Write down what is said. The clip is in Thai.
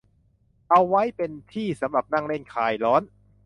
เอาไว้เป็นที่สำหรับนั่งเล่นคลายร้อน